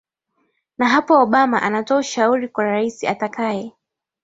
na hapa obama anatoa ushauri kwa rais atakaye